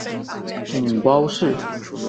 母包氏。